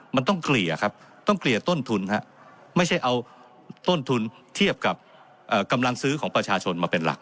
มันต้องเกลี่ยครับต้องเกลี่ยต้นทุนไม่ใช่เอาต้นทุนเทียบกับกำลังซื้อของประชาชนมาเป็นหลัก